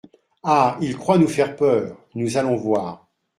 Ah ! il croit nous faire peur ; nous allons voir.